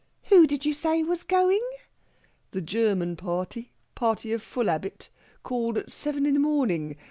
"Who did you say was going?" "The German party. Party of full 'abit. Call at seven in the morning.